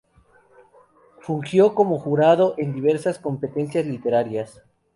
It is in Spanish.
Fungió como jurado en diversas competencias literarias.